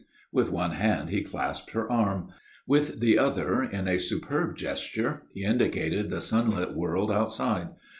With one hand he clasped her arm; with the other, in a superb gesture, he indicated the sunlit world outside.